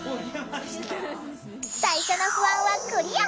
最初の不安はクリア！